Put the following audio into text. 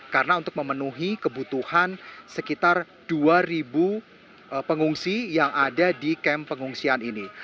karena untuk memenuhi kebutuhan sekitar dua pengungsi yang ada di kamp pengungsian ini